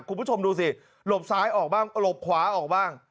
คุณผู้ชมดูสิหลบซ้ายออกบ้างหลบขวาออกบ้าง